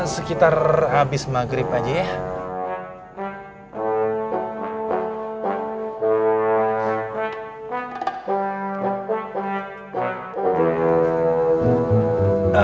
sekitar habis maghrib aja ya